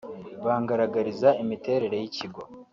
bangaragariza imiterere y’ikigo